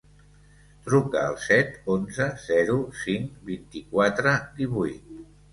Truca al set, onze, zero, cinc, vint-i-quatre, divuit.